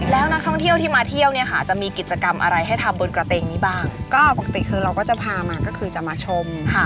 แล้วนักท่องเที่ยวที่มาเที่ยวเนี่ยค่ะจะมีกิจกรรมอะไรให้ทำบนกระเตงนี้บ้างก็ปกติคือเราก็จะพามาก็คือจะมาชมค่ะ